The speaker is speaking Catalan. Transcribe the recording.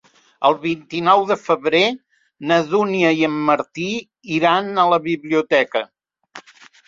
El vint-i-nou de febrer na Dúnia i en Martí iran a la biblioteca.